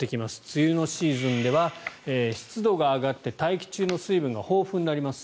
梅雨のシーズンでは湿度が上がって大気中の水分が豊富になります。